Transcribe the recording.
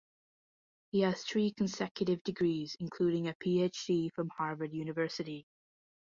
He has three consecutive degrees including a PhD from Harvard University.